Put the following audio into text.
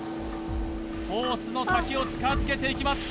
ホースの先を近づけていきます